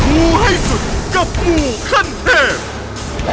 มูให้สุดกับหมู่คันเทพ